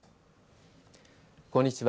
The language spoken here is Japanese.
こんにちは。